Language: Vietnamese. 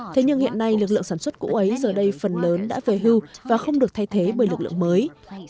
thế nhưng hiện nay lực lượng sản xuất cũ ấy giờ đây phần lớn đã về hưu và không được thay thế bởi lực lượng mới